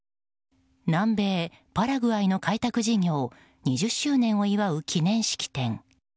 南米パラグアイの開拓事業２０周年を祝う記念式典。